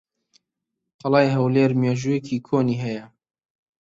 قەڵای هەولێر مێژوویەکی کۆنی ھەیە.